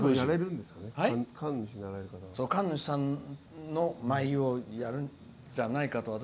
神主さんの舞をやるんじゃないかと。